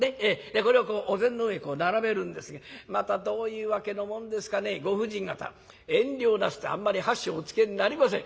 これをお膳の上に並べるんですけどまたどういうわけのもんですかねご婦人方遠慮なすってあんまり箸をおつけになりません。